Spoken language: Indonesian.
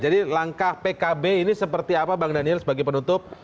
jadi langkah pkb ini seperti apa bang daniel sebagai penutup